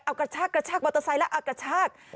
เอากระชากกระชากมอเตอร์ไซค์แล้วเอากระชาก